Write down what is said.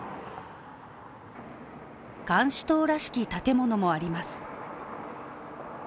監視塔らしき建物もあります。